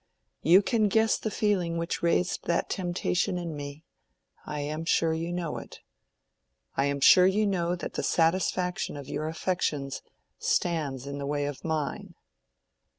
You can guess the feeling which raised that temptation in me—I am sure you know it. I am sure you know that the satisfaction of your affections stands in the way of mine."